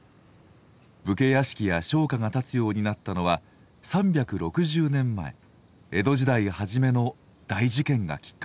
武家屋敷や商家が建つようになったのは３６０年前江戸時代初めの大事件がきっかけです。